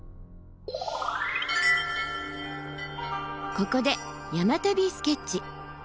ここで山旅スケッチ。